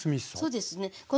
そうですね。